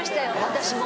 私も。